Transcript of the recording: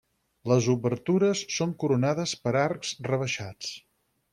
Les obertures són coronades per arcs rebaixats.